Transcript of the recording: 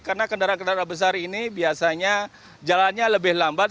karena kendaraan kendara besar ini biasanya jalannya lebih lambat